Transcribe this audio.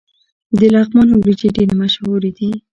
د لغمان وریجې ډیرې مشهورې دي.